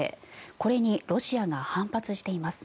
これにロシアが反発しています。